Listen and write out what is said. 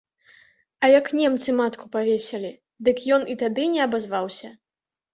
А як немцы матку павесілі, дык ён і тады не абазваўся?